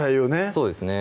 そうですね